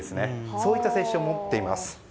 そういった性質を持っています。